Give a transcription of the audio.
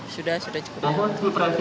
sudah sudah cukup nyaman